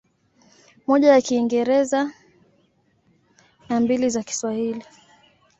Moja ya Kiingereza na mbili za Kiswahili.